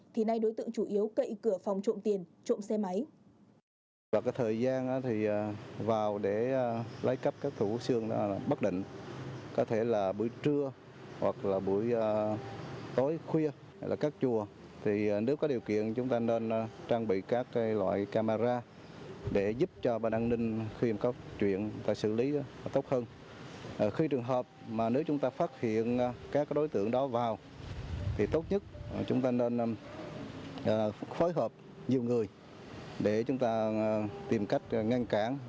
thì nay đối tượng chủ yếu cậy cửa phòng trộm tiền trộm xe máy